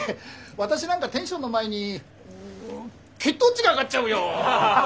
私なんかテンションの前に血糖値が上がっちゃうよ。